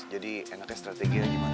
jadi enaknya strategi ada gimana